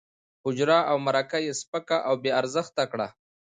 حجره او مرکه یې سپکه او بې ارزښته کړه.